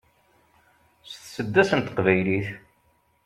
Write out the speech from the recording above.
s tseddast n teqbaylit